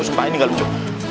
sumpah ini gak lucu